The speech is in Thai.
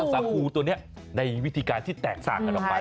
สาคูตัวนี้ในวิธีการที่แตกต่างกันออกไป